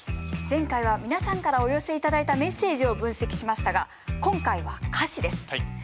前回は皆さんからお寄せ頂いたメッセージを分析しましたが今回は歌詞です。